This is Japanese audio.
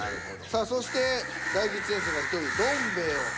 さあそして大吉先生が１人どん兵衛を。